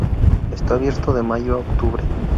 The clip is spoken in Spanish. Está abierto de mayo a octubre.